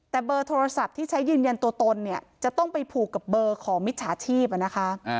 แต่เบอร์โทรศัพท์ที่ใช้ยืนยันตัวตนเนี่ยจะต้องไปผูกกับเบอร์ของมิจฉาชีพนะคะ